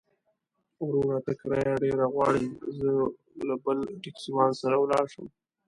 وروره! ته کرايه ډېره غواړې، زه به له بل ټکسيوان سره ولاړ شم.